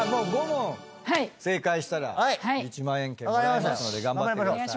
５問正解したら１万円券もらえますので頑張って。